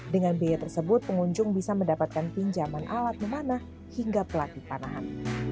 dengan biaya tersebut pengunjung bisa mendapatkan pinjaman alat memanah hingga pelatih panahan